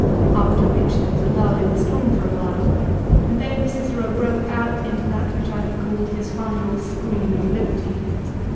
After which there was a lull in the storm for a while, and then Cicero broke out into that which I have called his final scream of liberty.